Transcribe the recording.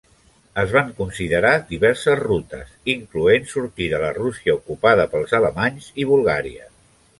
Es van considerar diverses rutes, incloent sortir de la Rússia ocupada pels alemanys i Bulgària.